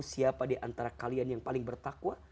siapa diantara kalian yang paling bertakwa